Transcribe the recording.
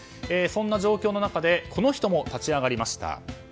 そんな状況の中でこの人も立ち上がりました。